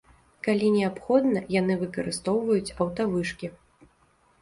Калі неабходна, яны выкарыстоўваюць аўтавышкі.